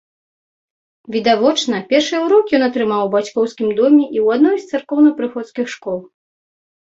Відавочна, першыя ўрокі ён атрымаў у бацькоўскім доме і ў адной з царкоўна-прыходскіх школ.